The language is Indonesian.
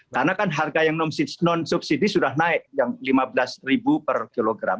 karena kan harga yang non subsidi sudah naik yang rp lima belas per kilogram